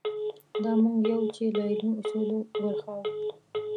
دا موږ یو چې له علمي اصولو وراخوا.